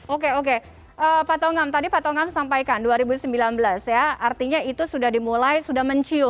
oke oke pak tongam tadi pak tongam sampaikan dua ribu sembilan belas ya artinya itu sudah dimulai sudah mencium